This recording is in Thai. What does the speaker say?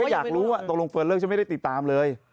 อยากรู้ว่าตกลงเฟิร์นเลิกฉันไม่ได้ติดตามเลย